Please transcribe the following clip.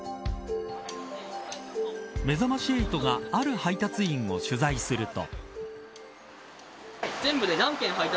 めざまし８がある配達員を取材すると。